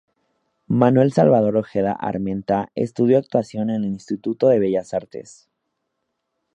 Manuel Salvador Ojeda Armenta estudió actuación en el Instituto de Bellas Artes.